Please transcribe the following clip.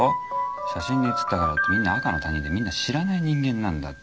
写真に写ったからってみんな赤の他人でみんな知らない人間なんだって。